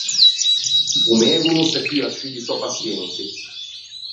O mego o non se cua ciù di sò paçienti.